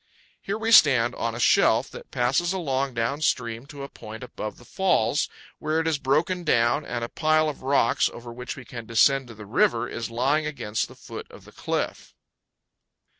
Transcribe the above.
Here we stand on a shelf that passes along down stream to a point above the falls, where it is broken down, and a pile of rocks, over which we can descend to the river, is lying against the foot of the cliff.